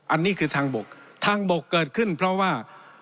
อันนี้คือทางบกทางบกเกิดขึ้นเพราะว่า